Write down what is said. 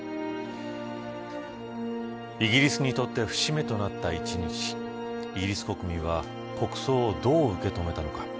イギリスにとって節目となった一日イギリス国民は国葬をどう受け止めたのか。